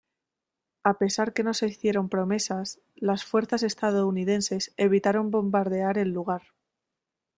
A pesar que no se hicieron promesas, las fuerzas estadounidenses evitaron bombardear el lugar.